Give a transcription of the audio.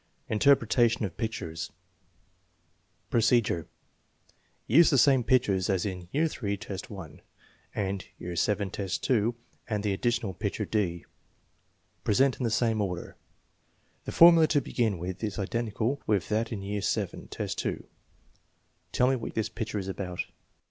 Interpretation of pictures Procedure. Use the same pictures as in III, 1, and VII, 2, and the additional picture d. Present in the same order. The formula to begin with is identical with that in VII. 2: " Tell me what this picture is about.